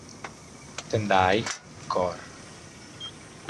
Tendai, cor.